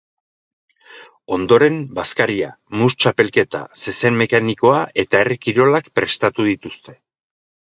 Ondoren, bazkaria, mus-txapelketa, zezen mekanikoa eta herri-kirolak prestatu dituzte.